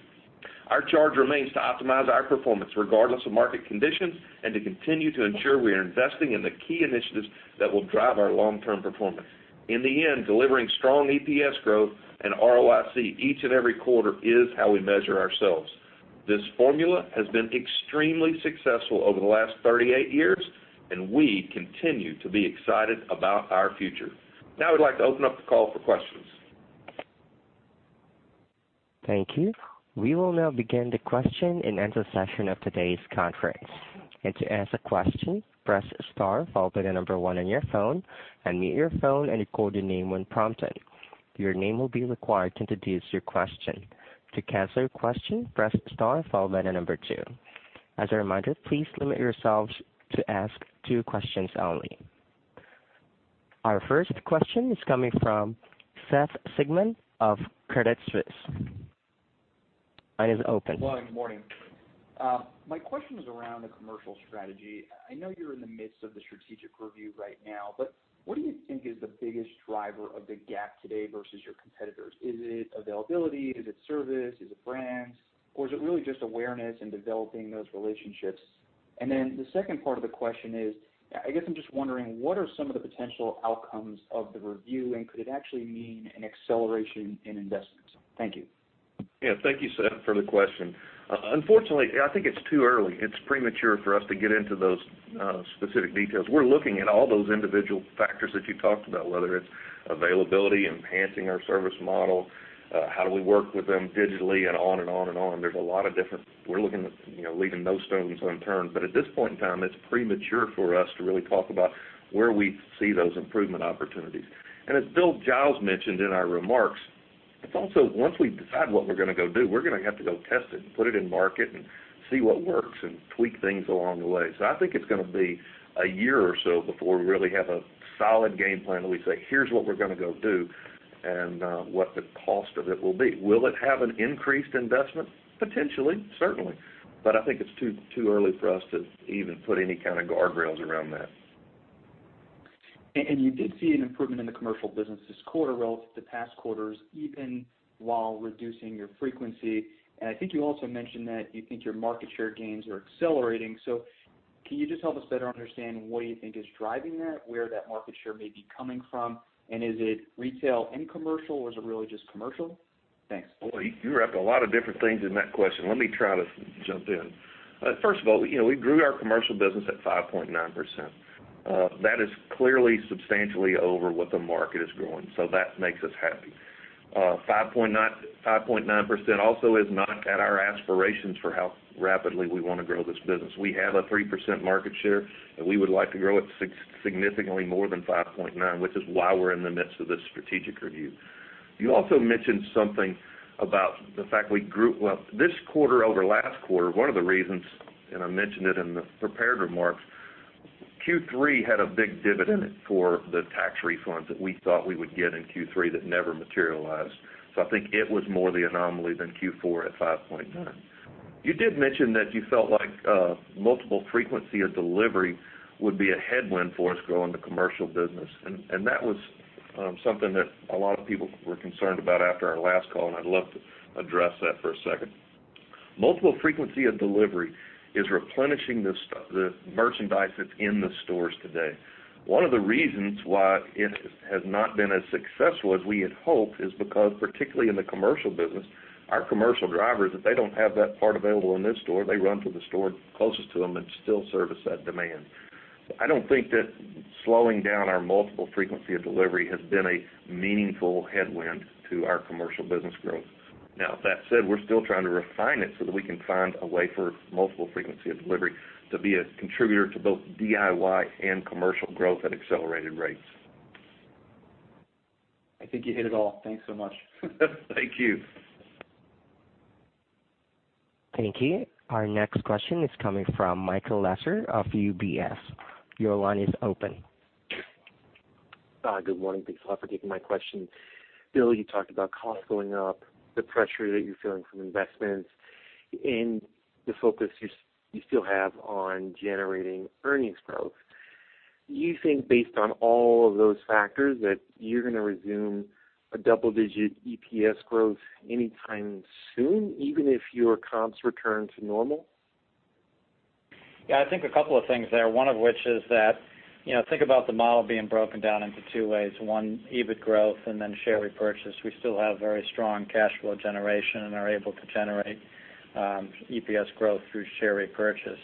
Our charge remains to optimize our performance regardless of market conditions and to continue to ensure we are investing in the key initiatives that will drive our long-term performance. In the end, delivering strong EPS growth and ROIC each and every quarter is how we measure ourselves. This formula has been extremely successful over the last 38 years, and we continue to be excited about our future. I'd like to open up the call for questions. Thank you. We will now begin the question and answer session of today's conference. To ask a question, press star followed by the number 1 on your phone, unmute your phone, and record your name when prompted. Your name will be required to introduce your question. To cancel your question, press star followed by the number 2. As a reminder, please limit yourselves to ask two questions only. Our first question is coming from Seth Basham of Credit Suisse. Line is open. Good morning. My question is around the commercial strategy. I know you're in the midst of the strategic review right now, what do you think is the biggest driver of the gap today versus your competitors? Is it availability? Is it service? Is it brands? Is it really just awareness and developing those relationships? The second part of the question is, I guess I'm just wondering, what are some of the potential outcomes of the review, and could it actually mean an acceleration in investments? Thank you. Yeah. Thank you, Seth, for the question. Unfortunately, I think it's too early. It's premature for us to get into those specific details. We're looking at all those individual factors that you talked about, whether it's availability, enhancing our service model, how do we work with them digitally and on and on and on. We're looking at leaving no stones unturned. At this point in time, it's premature for us to really talk about where we see those improvement opportunities. As Bill Giles mentioned in our remarks, it's also once we decide what we're going to go do, we're going to have to go test it and put it in market and see what works and tweak things along the way. I think it's going to be one year or so before we really have a solid game plan that we say, "Here's what we're going to go do," and what the cost of it will be. Will it have an increased investment? Potentially, certainly. I think it's too early for us to even put any kind of guardrails around that. You did see an improvement in the commercial business this quarter relative to past quarters, even while reducing your frequency. I think you also mentioned that you think your market share gains are accelerating. Can you just help us better understand what you think is driving that, where that market share may be coming from, and is it retail and commercial, or is it really just commercial? Thanks. Boy, you wrapped a lot of different things in that question. Let me try to jump in. First of all, we grew our commercial business at 5.9%. That is clearly substantially over what the market is growing. That makes us happy. 5.9% also is not at our aspirations for how rapidly we want to grow this business. We have a 3% market share, and we would like to grow it significantly more than 5.9%, which is why we're in the midst of this strategic review. You also mentioned something about the fact this quarter over last quarter, one of the reasons, and I mentioned it in the prepared remarks, Q3 had a big dividend for the tax refunds that we thought we would get in Q3 that never materialized. I think it was more the anomaly than Q4 at 5.9. You did mention that you felt like multiple frequency of delivery would be a headwind for us growing the commercial business, and that was something that a lot of people were concerned about after our last call, and I'd love to address that for a second. multiple frequency of delivery is replenishing the merchandise that's in the stores today. One of the reasons why it has not been as successful as we had hoped is because, particularly in the commercial business, our commercial drivers, if they don't have that part available in this store, they run to the store closest to them and still service that demand. I don't think that slowing down our multiple frequency of delivery has been a meaningful headwind to our commercial business growth. With that said, we're still trying to refine it so that we can find a way for multiple frequency of delivery to be a contributor to both DIY and commercial growth at accelerated rates. I think you hit it all. Thanks so much. Thank you. Thank you. Our next question is coming from Michael Lasser of UBS. Your line is open. Good morning. Thanks a lot for taking my question. Bill, you talked about costs going up, the pressure that you're feeling from investments, and the focus you still have on generating earnings growth. Do you think based on all of those factors, that you're going to resume a double-digit EPS growth anytime soon, even if your comps return to normal? Yeah, I think a couple of things there, one of which is that, think about the model being broken down into two ways, one, EBIT growth and then share repurchase. We still have very strong cash flow generation and are able to generate EPS growth through share repurchase.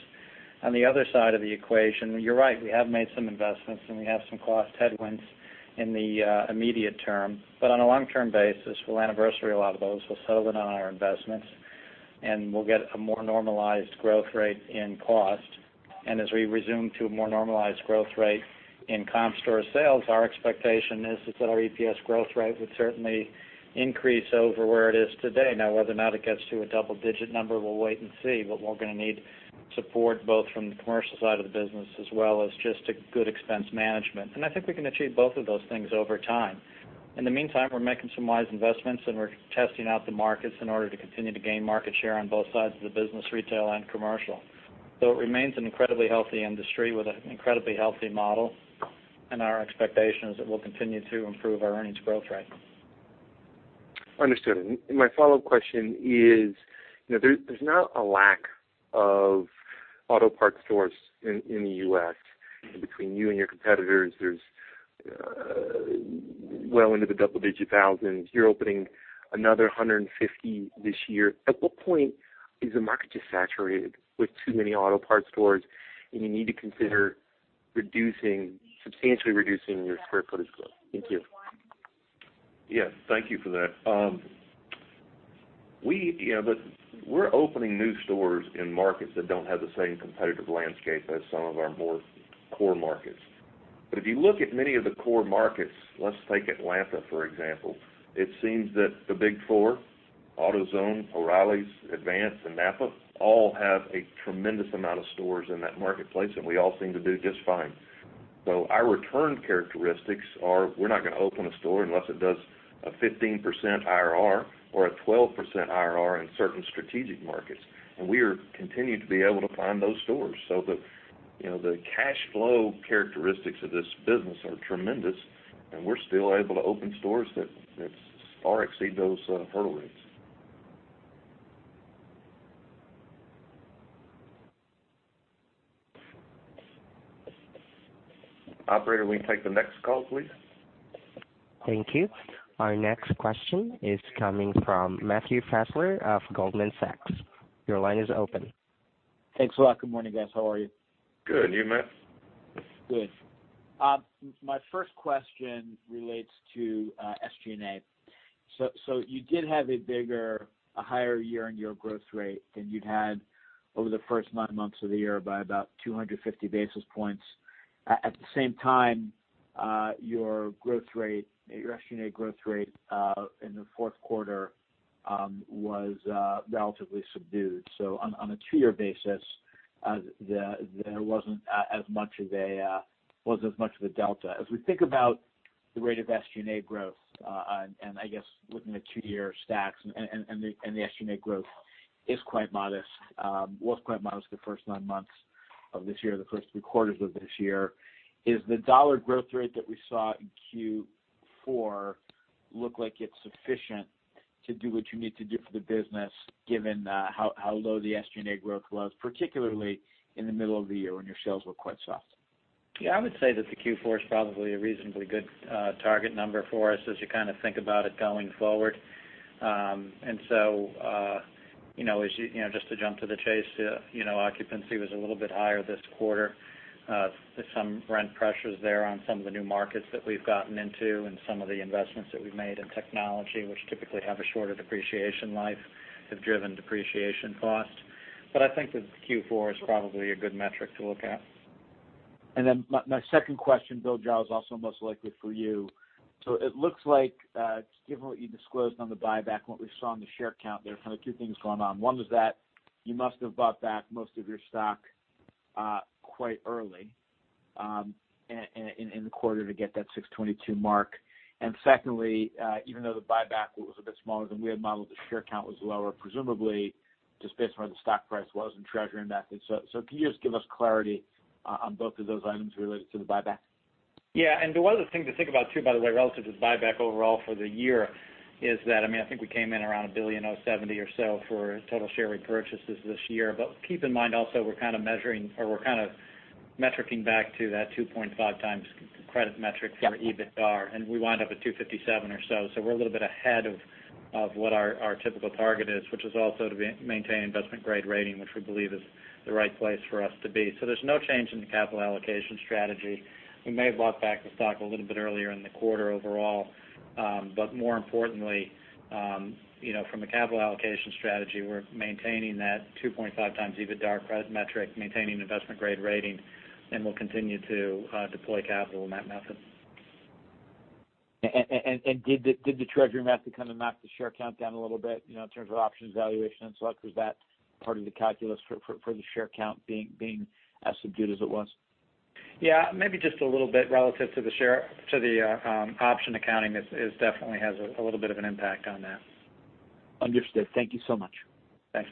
On the other side of the equation, you're right, we have made some investments, and we have some cost headwinds in the immediate term. On a long-term basis, we'll anniversary a lot of those. We'll settle in on our investments, and we'll get a more normalized growth rate in cost. As we resume to a more normalized growth rate in comp store sales, our expectation is that our EPS growth rate would certainly increase over where it is today. Whether or not it gets to a double-digit number, we'll wait and see, but we're going to need support both from the commercial side of the business as well as just a good expense management. I think we can achieve both of those things over time. In the meantime, we're making some wise investments, and we're testing out the markets in order to continue to gain market share on both sides of the business, retail and commercial. It remains an incredibly healthy industry with an incredibly healthy model, and our expectation is that we'll continue to improve our earnings growth rate. Understood. My follow-up question is, there's now a lack of auto parts stores in the U.S. Between you and your competitors, there's well into the double-digit thousands. You're opening another 150 this year. At what point is the market just saturated with too many auto parts stores and you need to consider substantially reducing your square footage growth? Thank you. Yes. Thank you for that. We're opening new stores in markets that don't have the same competitive landscape as some of our more core markets. If you look at many of the core markets, let's take Atlanta, for example, it seems that the big four, AutoZone, O'Reilly's, Advance, and NAPA, all have a tremendous amount of stores in that marketplace, and we all seem to do just fine. Our return characteristics are, we're not going to open a store unless it does a 15% IRR or a 12% IRR in certain strategic markets. We continue to be able to find those stores. The cash flow characteristics of this business are tremendous, and we're still able to open stores that far exceed those hurdle rates. Operator, we can take the next call, please. Thank you. Our next question is coming from Matthew Fassler of Goldman Sachs. Your line is open. Thanks a lot. Good morning, guys. How are you? Good. You, Matt? Good. My first question relates to SG&A. You did have a higher year-over-year growth rate than you'd had over the first nine months of the year by about 250 basis points. At the same time, your SG&A growth rate in the fourth quarter was relatively subdued. On a two-year basis, there wasn't as much of a delta. As we think about the rate of SG&A growth, and I guess looking at the two-year stacks and the SG&A growth was quite modest the first nine months of this year, the first three quarters of this year. Is the dollar growth rate that we saw in Q4 look like it's sufficient to do what you need to do for the business given how low the SG&A growth was, particularly in the middle of the year when your sales were quite soft? Yeah, I would say that the Q4 is probably a reasonably good target number for us as you think about it going forward. Just to jump to the chase, occupancy was a little bit higher this quarter. There's some rent pressures there on some of the new markets that we've gotten into and some of the investments that we've made in technology, which typically have a shorter depreciation life, have driven depreciation cost. I think that Q4 is probably a good metric to look at. My second question, Bill Giles, also most likely for you. It looks like, given what you disclosed on the buyback and what we saw on the share count there, kind of two things going on. One was that you must have bought back most of your stock quite early in the quarter to get that 622 mark. Secondly, even though the buyback was a bit smaller than we had modeled, the share count was lower, presumably just based on where the stock price was and treasury methods. Can you just give us clarity on both of those items related to the buyback? Yeah. The one other thing to think about too, by the way, relative to the buyback overall for the year is that, I think we came in around $1.070 billion or so for total share repurchases this year. Keep in mind also, we're kind of measuring or we're kind of metricing back to that 2.5 times credit metric for EBITDAR, and we wind up at 2.57 or so. We're a little bit ahead of what our typical target is, which is also to maintain investment-grade rating, which we believe is the right place for us to be. There's no change in the capital allocation strategy. We may have bought back the stock a little bit earlier in the quarter overall. More importantly, from a capital allocation strategy, we're maintaining that 2.5 times EBITDAR credit metric, maintaining investment-grade rating, and we'll continue to deploy capital in that method. Did the treasury method kind of knock the share count down a little bit, in terms of options valuation and so on? Was that part of the calculus for the share count being as subdued as it was? Yeah, maybe just a little bit relative to the option accounting, it definitely has a little bit of an impact on that. Understood. Thank you so much. Thanks,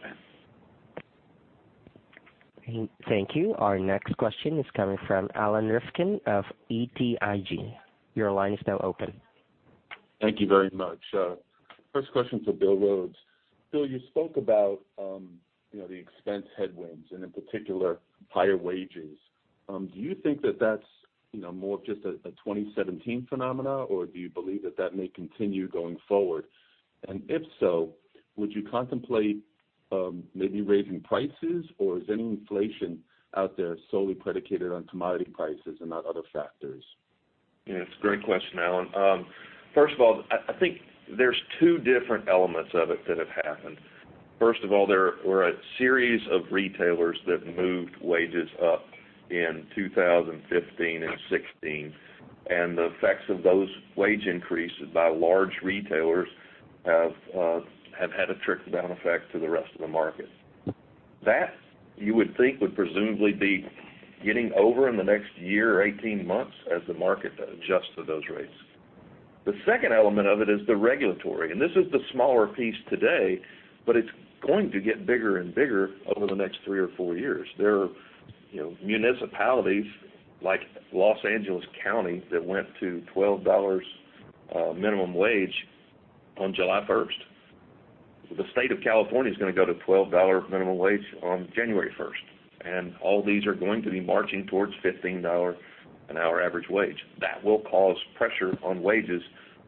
man. Thank you. Our next question is coming from Alan Rifkin of BTIG. Your line is now open. Thank you very much. First question to Bill Rhodes. Bill, you spoke about the expense headwinds and in particular higher wages. Do you think that that's more of just a 2017 phenomena, or do you believe that that may continue going forward? If so, would you contemplate maybe raising prices, or is any inflation out there solely predicated on commodity prices and not other factors? Yeah, it's a great question, Alan. First of all, I think there's two different elements of it that have happened. First of all, there were a series of retailers that moved wages up in 2015 and 2016, the effects of those wage increases by large retailers have had a trickle-down effect to the rest of the market. That, you would think, would presumably be getting over in the next year or 18 months as the market adjusts to those rates. The second element of it is the regulatory, this is the smaller piece today, but it's going to get bigger and bigger over the next three or four years. There are municipalities like Los Angeles County that went to $12 minimum wage on July 1st. The state of California is going to go to $12 minimum wage on January 1st. All these are going to be marching towards $15 an hour average wage. That will cause pressure on wages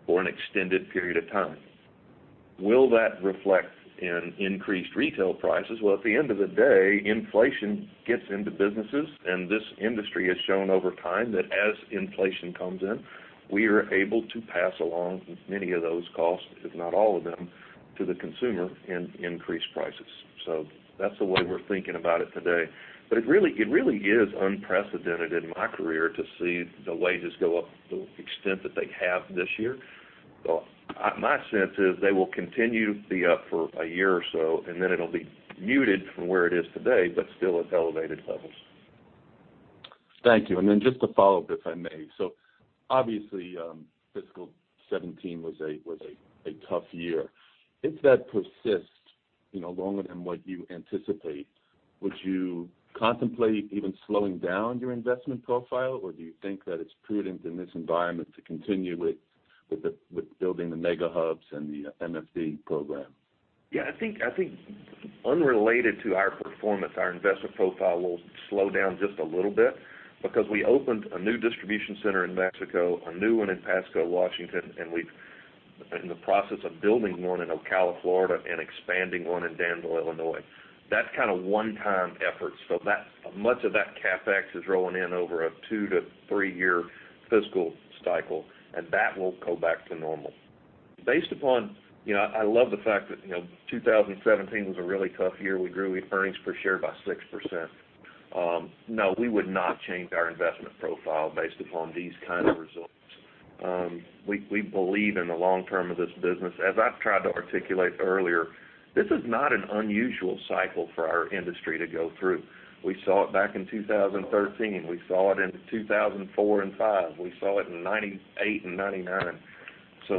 for an extended period of time. Will that reflect in increased retail prices? Well, at the end of the day, inflation gets into businesses, this industry has shown over time that as inflation comes in, we are able to pass along many of those costs, if not all of them, to the consumer in increased prices. That's the way we're thinking about it today. It really is unprecedented in my career to see the wages go up to the extent that they have this year. My sense is they will continue to be up for a year or so, then it'll be muted from where it is today, but still at elevated levels. Thank you. Then just to follow up, if I may. Obviously, fiscal 2017 was a tough year. If that persists longer than what you anticipate, would you contemplate even slowing down your investment profile, or do you think that it's prudent in this environment to continue with building the Mega Hubs and the MFD program? Yeah, I think unrelated to our performance, our investment profile will slow down just a little bit because we opened a new distribution center in Mexico, a new one in Pasco, Washington, and we're in the process of building one in Ocala, Florida, and expanding one in Danville, Illinois. That's kind of one-time efforts. So much of that CapEx is rolling in over a two to three-year fiscal cycle, and that will go back to normal. I love the fact that 2017 was a really tough year. We grew earnings per share by 6%. No, we would not change our investment profile based upon these kind of results. We believe in the long term of this business. As I've tried to articulate earlier, this is not an unusual cycle for our industry to go through. We saw it back in 2013. We saw it in 2004 and '05.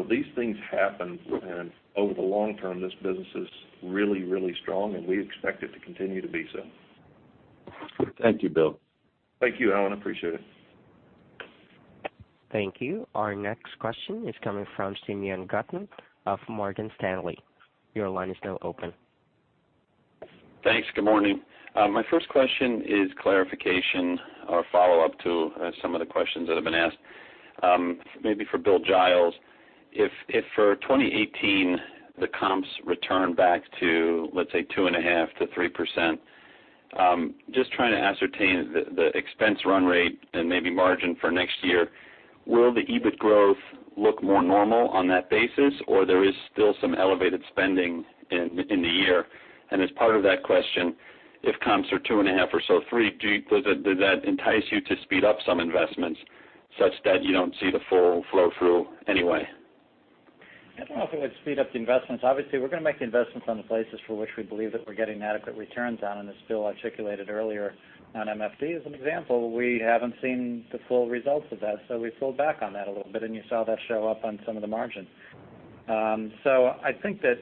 These things happen and over the long term, this business is really, really strong, and we expect it to continue to be so. Thank you, Bill. Thank you, Alan. Appreciate it. Thank you. Our next question is coming from Simeon Gutman of Morgan Stanley. Your line is now open. Thanks. Good morning. My first question is clarification or follow-up to some of the questions that have been asked. Maybe for Bill Giles. If for 2018, the comps return back to, let's say, 2.5%-3%, just trying to ascertain the expense run rate and maybe margin for next year. Will the EBIT growth look more normal on that basis, or there is still some elevated spending in the year? As part of that question, if comps are 2.5% or so 3%, does that entice you to speed up some investments such that you don't see the full flow-through anyway? I don't know if it would speed up the investments. Obviously, we're going to make the investments on the places for which we believe that we're getting adequate returns on, and as Bill articulated earlier on MFD as an example, we haven't seen the full results of that, so we've pulled back on that a little bit, and you saw that show up on some of the margins. I think that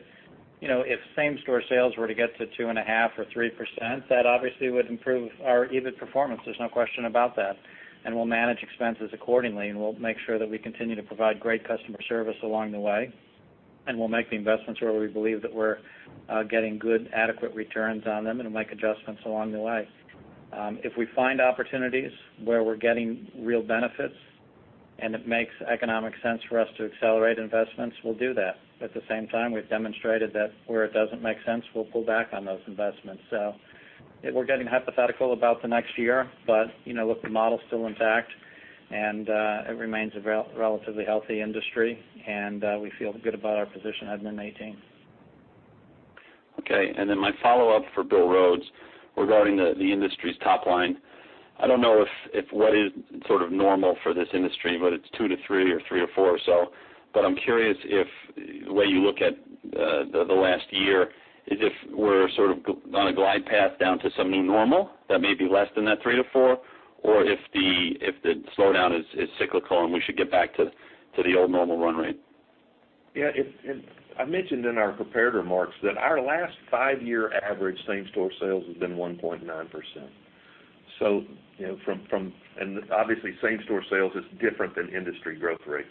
if same-store sales were to get to 2.5% or 3%, that obviously would improve our EBIT performance. There's no question about that. We'll manage expenses accordingly, and we'll make sure that we continue to provide great customer service along the way. We'll make the investments where we believe that we're getting good adequate returns on them and make adjustments along the way. If we find opportunities where we're getting real benefits and it makes economic sense for us to accelerate investments, we'll do that. At the same time, we've demonstrated that where it doesn't make sense, we'll pull back on those investments. We're getting hypothetical about the next year, but look, the model's still intact, and it remains a relatively healthy industry, and we feel good about our position heading into 2018. Okay. My follow-up for Bill Rhodes regarding the industry's top line. I don't know what is sort of normal for this industry, whether it's 2%-3% or 3%-4% or so, but I'm curious if the way you look at the last year is if we're sort of on a glide path down to some new normal that may be less than that 3%-4%, or if the slowdown is cyclical and we should get back to the old normal run rate. Yeah. I mentioned in our prepared remarks that our last five-year average same-store sales has been 1.9%. Obviously, same-store sales is different than industry growth rate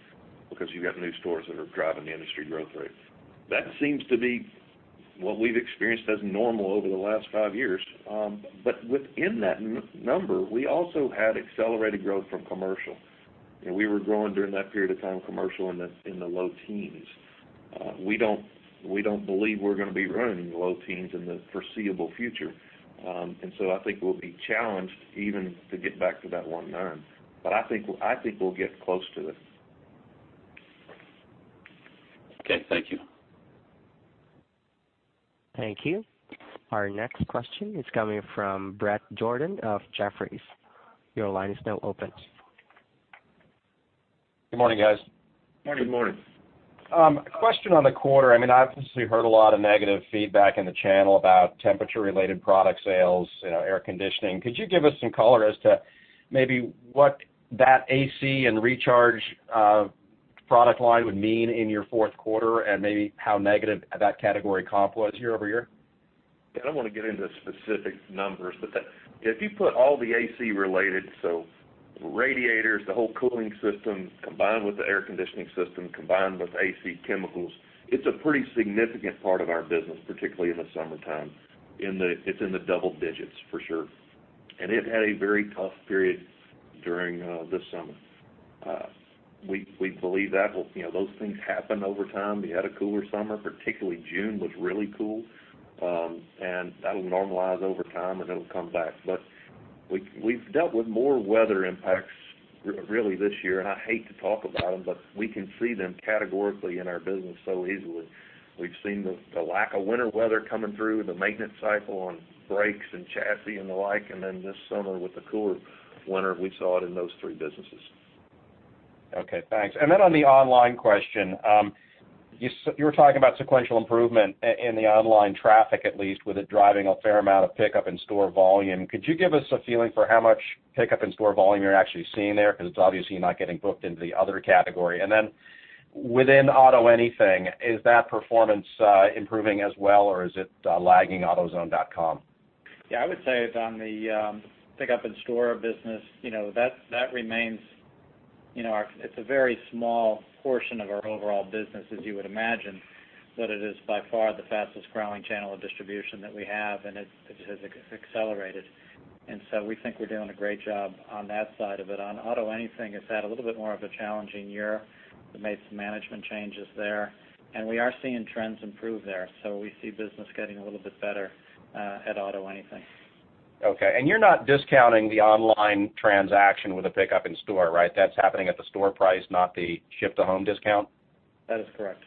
because you've got new stores that are driving the industry growth rate. That seems to be what we've experienced as normal over the last five years. Within that number, we also had accelerated growth from commercial, and we were growing during that period of time commercial in the low teens. We don't believe we're going to be running low teens in the foreseeable future. So I think we'll be challenged even to get back to that 1.9%. I think we'll get close to it. Okay. Thank you. Thank you. Our next question is coming from Bret Jordan of Jefferies. Your line is now open. Good morning, guys. Morning. Good morning. Question on the quarter. I mean, obviously, we heard a lot of negative feedback in the channel about temperature-related product sales, air conditioning. Could you give us some color as to maybe what that AC and recharge product line would mean in your fourth quarter and maybe how negative that category comp was year-over-year? Again, I don't want to get into specific numbers. If you put all the AC related, so radiators, the whole cooling system combined with the air conditioning system, combined with AC chemicals, it's a pretty significant part of our business, particularly in the summertime. It's in the double digits for sure. It had a very tough period during this summer. We believe those things happen over time. We had a cooler summer, particularly June was really cool. That'll normalize over time, and it'll come back. We've dealt with more weather impacts really this year, and I hate to talk about them, but we can see them categorically in our business so easily. We've seen the lack of winter weather coming through, the maintenance cycle on brakes and chassis and the like, and then this summer with the cooler winter, we saw it in those three businesses. Okay, thanks. On the online question, you were talking about sequential improvement in the online traffic at least, with it driving a fair amount of pickup in store volume. Could you give us a feeling for how much pickup in store volume you're actually seeing there? Because it's obviously not getting booked into the other category. Within Auto Anything, is that performance improving as well, or is it lagging AutoZone.com? Yeah, I would say on the pickup in store business, it's a very small portion of our overall business, as you would imagine, but it is by far the fastest growing channel of distribution that we have, and it has accelerated. We think we're doing a great job on that side of it. On Auto Anything, it's had a little bit more of a challenging year. We made some management changes there, and we are seeing trends improve there. We see business getting a little bit better at Auto Anything. Okay, you're not discounting the online transaction with a pickup in store, right? That's happening at the store price, not the ship-to-home discount? That is correct.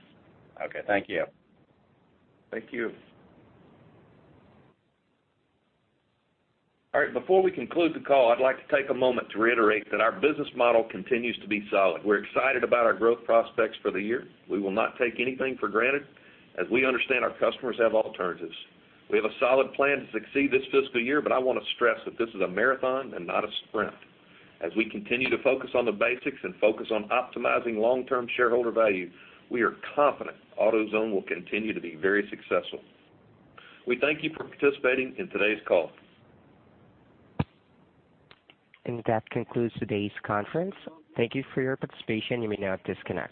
Okay. Thank you. Thank you. All right, before we conclude the call, I'd like to take a moment to reiterate that our business model continues to be solid. We're excited about our growth prospects for the year. We will not take anything for granted, as we understand our customers have alternatives. We have a solid plan to succeed this fiscal year, but I want to stress that this is a marathon and not a sprint. As we continue to focus on the basics and focus on optimizing long-term shareholder value, we are confident AutoZone will continue to be very successful. We thank you for participating in today's call. That concludes today's conference. Thank you for your participation. You may now disconnect.